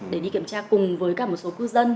để đi kiểm tra cùng với cả một số cư dân